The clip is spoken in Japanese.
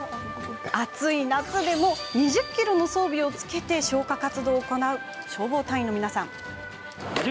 暑い夏でも２０ｋｇの装備をつけて消火活動を行う消防隊員。